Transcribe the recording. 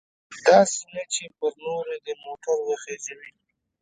داسې نه چې پر نورو دې موټر وخیژوي.